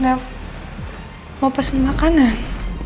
naf mau pesen makanan